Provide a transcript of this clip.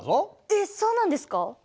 えっそうなんですか！？